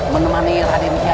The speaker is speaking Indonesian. menemani raden hian